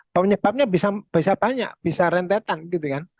penyebabnya bisa banyak bisa rentetan gitu kan